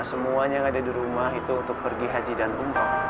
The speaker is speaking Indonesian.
semuanya yang ada di rumah itu untuk pergi haji dan umroh